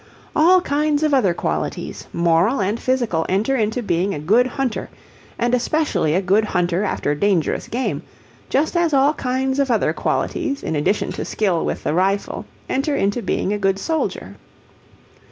All kinds of other qualities, moral and physical, enter into being a good hunter, and especially a good hunter after dangerous game, just as all kinds of other qualities in addition to skill with the rifle enter into being a good soldier.